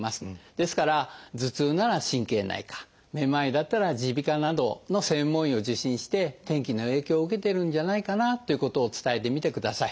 ですから頭痛なら神経内科めまいだったら耳鼻科などの専門医を受診して天気の影響を受けているんじゃないかなということを伝えてみてください。